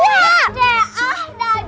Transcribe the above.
apalagi sama butet